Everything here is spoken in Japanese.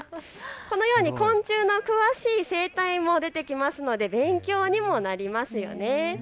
このように昆虫の詳しい生態も出てきますので勉強にもなりますよね。